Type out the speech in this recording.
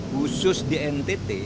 khusus di ntt